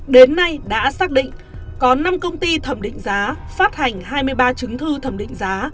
đến nay đã xác định có năm công ty thẩm định giá phát hành hai mươi ba chứng thư thẩm định giá